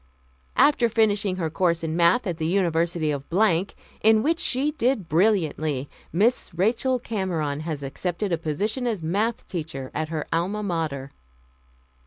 "After finishing her course in Math. at the University of in which she did brilliantly, Miss Rachel Cameron has accepted a position as Math. teacher at her Alma Mater."